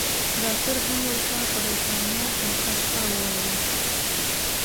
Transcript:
ډاکټر هم ورته خدای په امان او ښه شپه وويله.